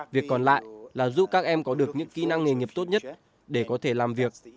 việc còn lại là giúp các em có được những kỹ năng nghề nghiệp tốt nhất để có thể làm việc